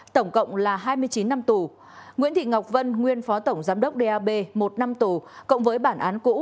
tổng cộng là hai mươi chín năm tù nguyễn thị ngọc vân nguyên phó tổng giám đốc dap một năm tù cộng với bản án cũ